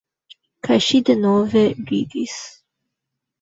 Kaj ŝi denove ridis.